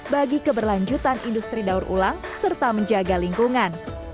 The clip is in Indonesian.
bagi keberlanjutan industri daur ulang serta menjaga lingkungan